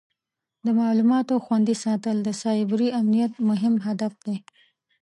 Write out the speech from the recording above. د معلوماتو خوندي ساتل د سایبري امنیت مهم هدف دی.